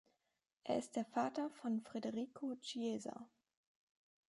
Er ist der Vater von Federico Chiesa.